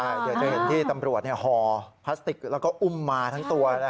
เดี๋ยวจะเห็นที่ตำรวจห่อพลาสติกแล้วก็อุ้มมาทั้งตัวนะ